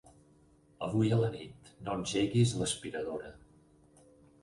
Avui a la nit no engeguis l'aspiradora.